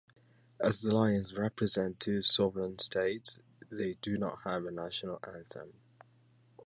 As the Lions represent two sovereign states, they do not have a national anthem.